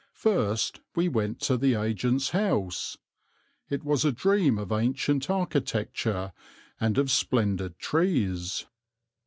First we went to the agent's house. It was a dream of ancient architecture and of splendid trees.